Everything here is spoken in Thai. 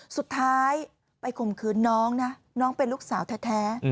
สุดท้ายไปข่มขืนน้องนะน้องเป็นลูกสาวแท้